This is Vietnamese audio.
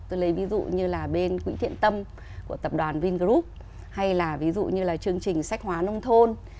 tôi lấy ví dụ như là bên quỹ thiện tâm của tập đoàn vingroup hay là ví dụ như là chương trình sách hóa nông thôn